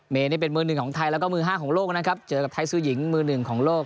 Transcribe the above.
นี่เป็นมือหนึ่งของไทยแล้วก็มือห้าของโลกนะครับเจอกับไทยซื้อหญิงมือหนึ่งของโลก